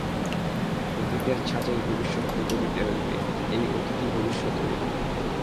অতীতের ছাঁচেই ভবিষ্যৎকে গড়িতে হইবে, এই অতীতই ভবিষ্যৎ হইবে।